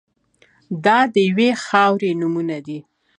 دا د یوې خاورې نومونه دي.